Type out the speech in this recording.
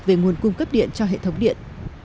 về nguồn cung cấp điện cho hệ thống điện